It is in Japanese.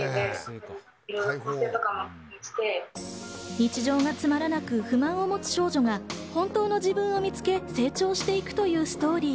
日常がつまらなく不安を持つ少女が本当の自分を見つけ成長していくというストーリー。